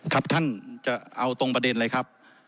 ครับท่านจะเอาตรงประเด็นอะไรครับ